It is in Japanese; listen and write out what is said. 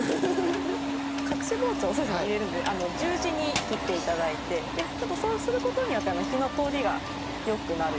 隠し包丁を入れるんで十字に切って頂いてちょっとそうする事によって火の通りが良くなる。